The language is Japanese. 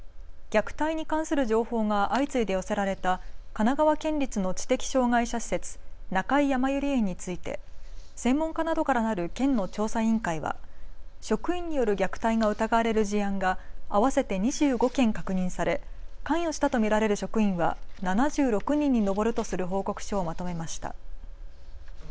虐待に関する情報が相次いで寄せられた神奈川県立の知的障害者施設、中井やまゆり園について専門家などからなる県の調査委員会は職員による虐待が疑われる事案が合わせて２５件確認され関与したと見られる職員は７６人に上るとする報告書をまとめました。